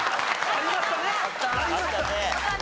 ありました。